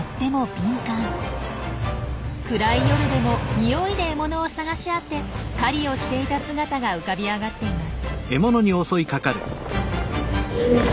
暗い夜でも匂いで獲物を探し当て狩りをしていた姿が浮かび上がっています。